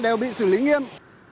đều bị xử lý nghiêm